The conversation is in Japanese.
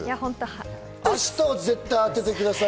明日は絶対当ててください。